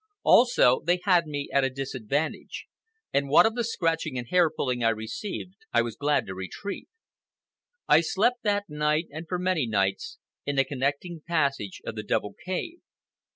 Also, they had me at a disadvantage, and, what of the scratching and hair pulling I received, I was glad to retreat. I slept that night, and for many nights, in the connecting passage of the double cave.